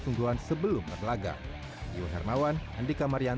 itu juga bisa menjadi kesungguhan sebelum